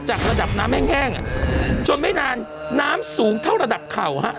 จากระดับน้ำแห้งแห้งอ่ะจนไม่นานน้ำสูงเท่าระดับเข่าห้ะ